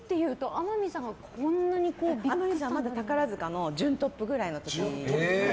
天海さんが宝塚の準トップくらいの時。